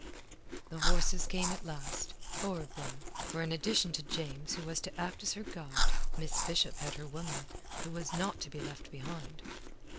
The horses came at last four of them, for in addition to James who was to act as her guide, Miss Bishop had her woman, who was not to be left behind.